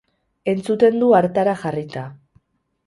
Entzuten du hartara jarrita.